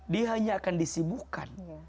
dia hanya akan disibukan